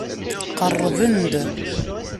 Qerrben-d.